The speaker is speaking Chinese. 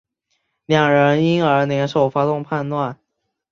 两人因而联手发动叛乱。